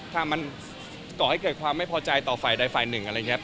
ถ้ามันก่อให้เกิดความไม่พอใจต่อฝ่ายใดฝ่ายหนึ่งอะไรอย่างนี้